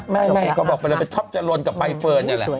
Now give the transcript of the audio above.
ไม่ก็บอกเป็นอะไรท็อปจระโรนกับใบเฟิร์นอะแหละ